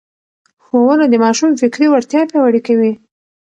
ښوونه د ماشوم فکري وړتیا پياوړې کوي.